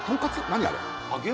何あれ？